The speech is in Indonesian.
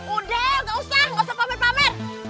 udah gak usah gak usah pamer pamer